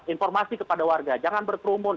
informasi kepada warga jangan berkerumun